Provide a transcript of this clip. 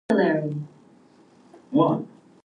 The first partners to be revealed were Agumon and Gabumon.